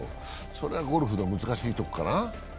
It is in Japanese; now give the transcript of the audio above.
それがゴルフの難しいところかな。